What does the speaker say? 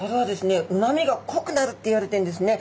うまみがこくなるっていわれてるんですね。